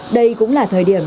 đây cũng là thời điểm